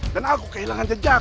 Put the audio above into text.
dan aku kehilangan jejak